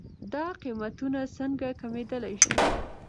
دا قيمتونه څنکه کمېدلی شي؟